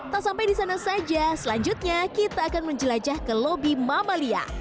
tak sampai di sana saja selanjutnya kita akan menjelajah ke lobi mamalia